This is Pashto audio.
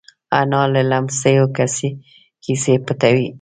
انا له لمسيو کیسې پټوي